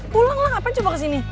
pulanglah ngapain coba kesini